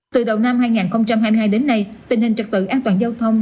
từ đầu năm hai nghìn hai mươi hai đến nay tình hình trực tự an toàn giao thông